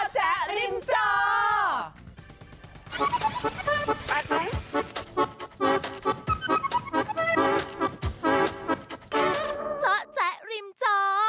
เจ้าแจ๊กริมจอ